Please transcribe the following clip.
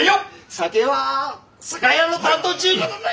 酒は酒屋の担当っちゅうことで。